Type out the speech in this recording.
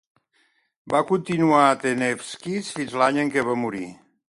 Va continuar a "The News Quiz" fins a l'any en què va morir.